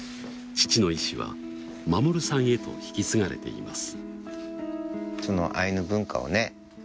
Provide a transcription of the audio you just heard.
父の意志は守さんへと引き継がれています。